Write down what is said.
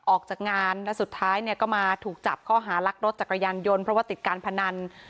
ออกจากงานแล้วสุดท้ายเนี่ยก็มาถูกจับข้อหารักรถจักรยานยนต์เพราะว่าติดการพนัน